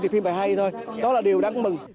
thì phim phải hay thôi đó là điều đáng mừng